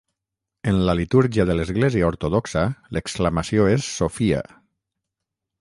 En la litúrgia de l'església ortodoxa, l'exclamació és Sofia!